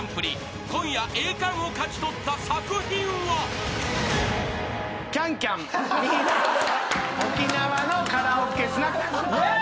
［今夜栄冠を勝ち取った作品は］イェイ！